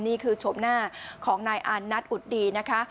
นี่คือโฉมหน้าของนายอานัทอุดดีนะคะ